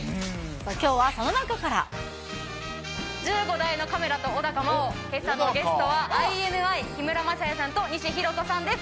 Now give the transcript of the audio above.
きょうはその中から、１５台のカメラとお仲間を、けさのゲストは、ＩＮＩ・木村柾哉さんと西洸人さんです。